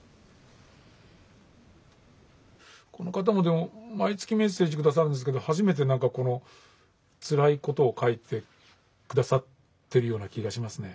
この方もでも毎月メッセージ下さるんですけど初めて何かこのつらいことを書いて下さってるような気がしますね。